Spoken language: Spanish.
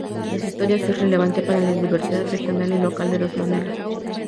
La historia es relevante para la diversidad regional y local de dos maneras.